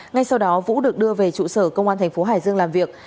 ngay sau đó vũ được đưa về trụ sở công an thành phố hải dương làm việc